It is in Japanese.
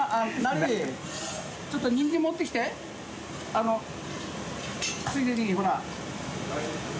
あのついでにほら。